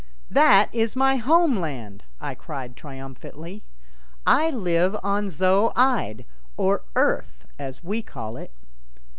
"That is my homeland," I cried triumphantly. "I live on Zo ide, or Earth, as we call it."